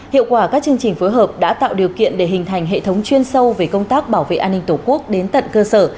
hiệu quả các chương trình phối hợp đã tạo điều kiện để hình thành hệ thống chuyên sâu về công tác bảo vệ an ninh tổ quốc đến tận cơ sở